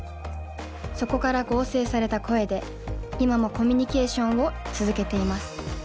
そこから合成された声で今もコミュニケーションを続けています。